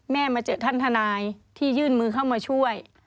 มาเจอท่านทนายที่ยื่นมือเข้ามาช่วย